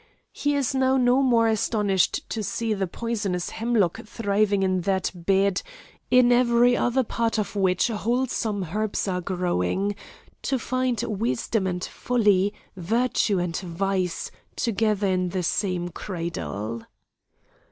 He is now no more astonished to see the poisonous hemlock thriving in that bed, in every other part of which wholesome herbs are growing, to find wisdom and folly, virtue and vice, together in the same cradle.